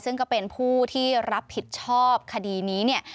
ซึ่งก็เป็นผู้ที่รับผิดชอบคดีนี้เนี่ย